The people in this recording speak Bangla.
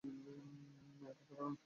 এটা খেলার অংশ না!